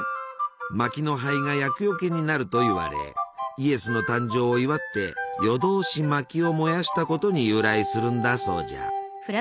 まきの灰が厄よけになるといわれイエスの誕生を祝って夜通しまきを燃やしたことに由来するんだそうじゃ。